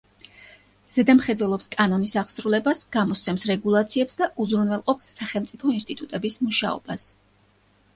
ზედამხედველობს კანონის აღსრულებას, გამოსცემს რეგულაციებს და უზრუნველყოფს სახელმწიფო ინსტიტუტების მუშაობას.